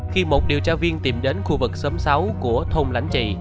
khi một điều tra viên tìm đến khu vực xóm sáu của thôn lãnh trị